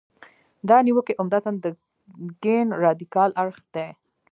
دا نیوکې عمدتاً د کیڼ رادیکال اړخ دي.